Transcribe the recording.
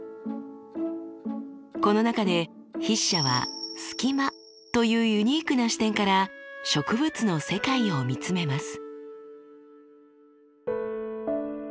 この中で筆者はスキマというユニークな視点から植物の世界を見つめます。